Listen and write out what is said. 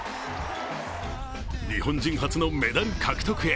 日本人初のメダル獲得へ。